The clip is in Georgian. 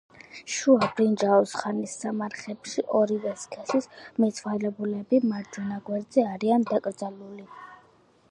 შუა ბრინჯაოს ხანის სამარხებში ორივე სქესის მიცვალებულები მარჯვენა გვერდზე არიან დაკრძალული.